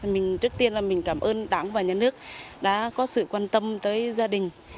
mình trước tiên là mình cảm ơn đảng và nhà nước đã có sự quan tâm tới gia đình